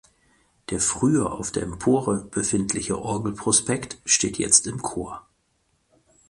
Der früher auf der Empore befindliche Orgelprospekt steht jetzt im Chor.